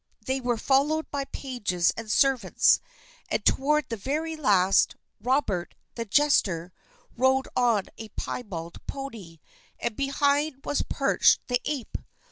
They were followed by pages and servants; and, toward the very last, Robert, the jester, rode on a piebald pony, and behind was perched the ape.